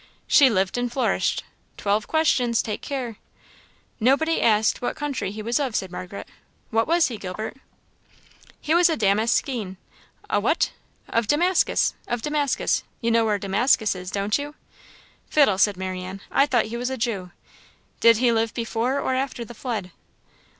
"She lived and flourished. Twelve questions: take care." "Nobody asked what country he was of," said Margaret, "what was he, Gilbert?" "He was a Damascene." "A what?" "Of Damascus of Damascus. You know where Damascus is, don't you?" "Fiddle!" said Marianne "I thought he was a Jew. Did he live before or after the Flood?"